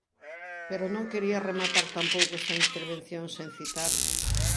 Pero non quería rematar tampouco esta intervención sen citar.